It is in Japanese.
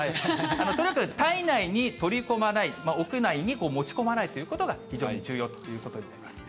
とにかく、体内に取り込まない、屋内に持ち込まないということが非常に重要ということになります。